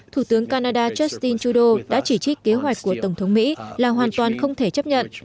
thủ tướng canada justin trudeau đã chỉ trích kế hoạch của tổng thống mỹ là hoàn toàn không thể chấp nhận